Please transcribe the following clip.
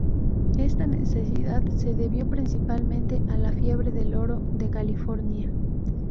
Esta necesidad se debió principalmente a la fiebre del oro de California.